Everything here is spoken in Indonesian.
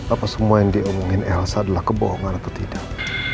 apa semua yang diomongin elsa adalah kebohongan atau tidak